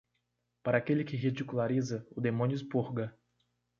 Para aquele que ridiculariza, o demônio expurga.